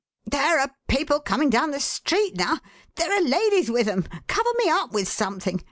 "There are people coming down the street now. There are ladies with 'em; cover me up with something!